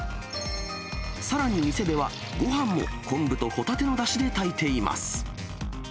さらに店では、ごはんも昆布とホタテのだしで炊いています。